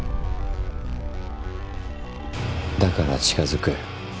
だから近づく。